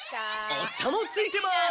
お茶もついてます！